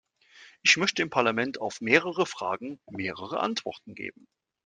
Ich möchte dem Parlament auf mehrere Fragen mehrere Antworten geben.